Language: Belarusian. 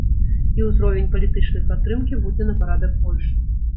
І ўзровень палітычнай падтрымкі будзе на парадак большы.